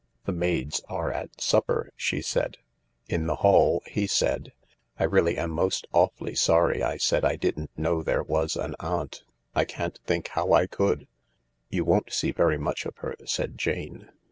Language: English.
"The maids are at supper," she said. In the hall he said :" I really am most awfully sorry I said I didn't know there was an aunt. I can't think how I could." " You won't see very much of her," said Jane.